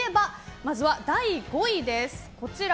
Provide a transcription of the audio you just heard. まずは第５位です。